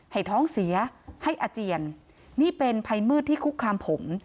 ให้ท้องเสียให้อาเจียนนี่เป็นภัยมืดที่คุกคามผม